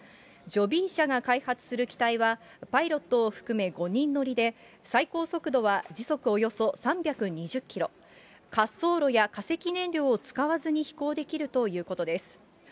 ジョビー社が開発する機体は、パイロットを含め５人乗りで、最高速度は時速およそ３２０キロ、滑走路や化石燃料を使わずに飛行できるということです。